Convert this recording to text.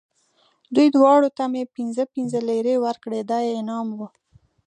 دوی دواړو ته مې پنځه پنځه لېرې ورکړې، دا یې انعام و.